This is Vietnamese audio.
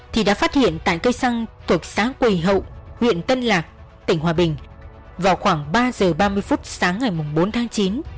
thì đã phát hiện tại cây xăng thuộc xã quỳ hậu huyện tân lạc tỉnh hòa bình vào khoảng ba giờ ba mươi phút sáng ngày bốn tháng chín